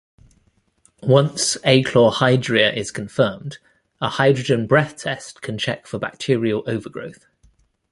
Once achlorhydria is confirmed, a hydrogen breath test can check for bacterial overgrowth.